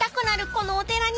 このお寺には］